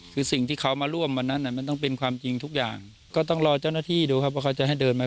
คือสิ่งที่เขามาร่วมวันนั้นมันต้องเป็นความจริงทุกอย่างก็ต้องรอเจ้าหน้าที่ดูครับว่าเขาจะให้เดินไหม